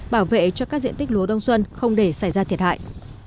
bảo vệ cho các diện tích lúa đông xuân không để xảy ra thiệt hại